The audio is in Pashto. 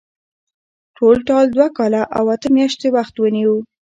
ټولټال دوه کاله او اته میاشتې وخت ونیو.